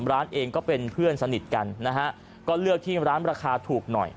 ร้านเองก็เป็นเพื่อนสนิทกันนะฮะก็เลือกที่ร้านราคาถูกหน่อย